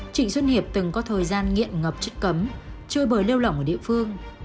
trịnh xuân hiệp từng có thời gian nghiện ngập chất cấm chơi bời lêu lỏng ở địa phương